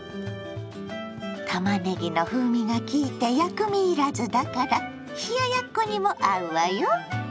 たまねぎの風味が効いて薬味いらずだから冷ややっこにも合うわよ。